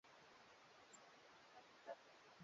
kadri ujumbe wake ulivyokuwa unazidi kusambaa